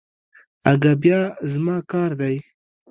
اگه بيا زما کار دی.